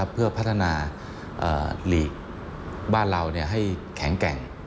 เพื่อพัฒนาหลีกบ้านเราให้แข็งแกร่ง